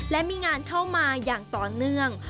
และมีงานเข้ามาอย่างต่อเนื่อง